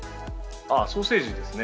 ソーセージですね。